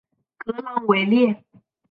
格朗维列。